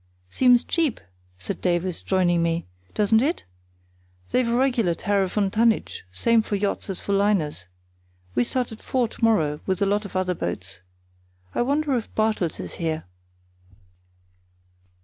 "Seems cheap," said Davies, joining me, "doesn't it? They've a regular tariff on tonnage, same for yachts as for liners. We start at four to morrow with a lot of other boats. I wonder if Bartels is here."